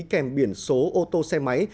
kèm biển số ô tô xe máy